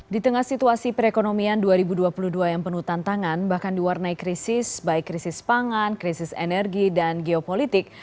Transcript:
di tengah situasi perekonomian dua ribu dua puluh dua yang penuh tantangan bahkan diwarnai krisis baik krisis pangan krisis energi dan geopolitik